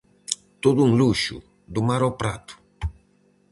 Todo un luxo, do mar ao prato.